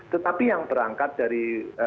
tetapi yang berangkat dari